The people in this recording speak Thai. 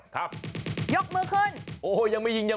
ครับยกมือขึ้นโหยังไม่ยิง